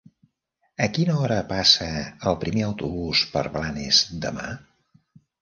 A quina hora passa el primer autobús per Blanes demà?